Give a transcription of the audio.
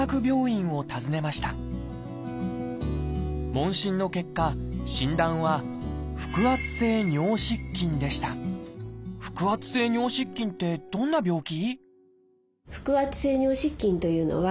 問診の結果診断は「腹圧性尿失禁」ってどんな病気？